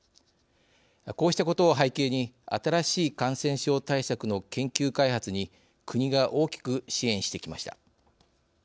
こうしたことを背景に新しい感染症対策の研究開発に国が大きく支援してきました。